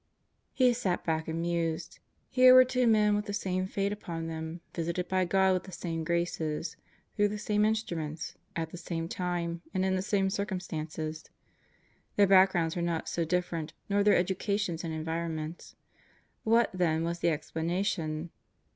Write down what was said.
He sat back and mused. Here were two men with the same fate upon them, visited by God with the same graces, through the same instruments, at the same time and in the same circum stances. Their backgrounds were not so different, nor their edu cations and environments. What, then, was the explanation?